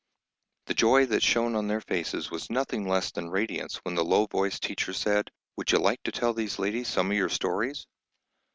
The joy that shone on their faces was nothing less than radiance when the low voiced teacher said, "Would you like to tell these ladies some of your stories?"